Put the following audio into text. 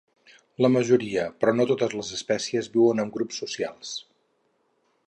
La majoria, però no totes les espècies, viuen en grups socials.